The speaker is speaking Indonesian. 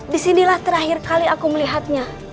disinilah terakhir kali aku melihatnya